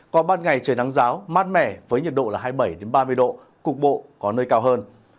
còn ban ngày trời nắng ráo mát mẻ với nhiệt độ là hai mươi bảy ba mươi độ cục bộ có nơi cao hơn